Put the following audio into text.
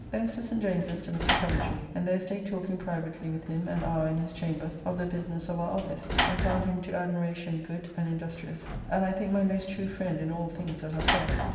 Thence to St. James's to Mr. Coventry, and there staid talking privately with him an hour in his chamber of the business of our office, and found him to admiration good and industrious, and I think my most true friend in all things that are fair.